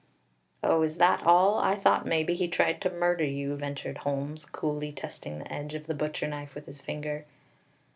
"Oh, is that all? I thought maybe he tried to murder you," ventured Holmes, coolly testing the edge of the butcher knife with his finger.